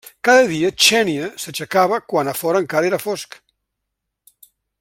Cada dia, Xènia s'aixecava quan a fora encara era fosc.